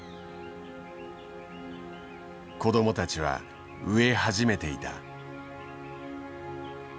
子供たちは飢え始めていた。